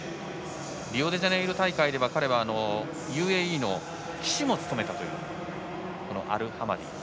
リオデジャネイロ大会では彼は、ＵＡＥの旗手も務めたというアルハマディです。